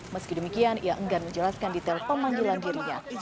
meski demikian ia enggan menjelaskan detail pemanggilan dirinya